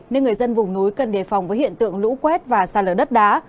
nên người dân vùng núi cần đề phòng với hiện tượng lũ quét và xa lở đất đá